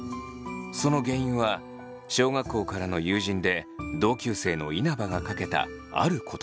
その原因は小学校からの友人で同級生の稲葉がかけたある言葉でした。